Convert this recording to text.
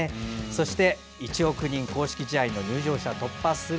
そして１億人公式試合の入場者数が突破する。